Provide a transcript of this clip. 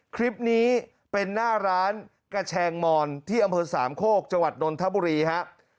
คลิปนี้เป็นหน้าร้านกระแชงมอนที่อำเภอสามโคกจังหวัดนนทบุรีครับ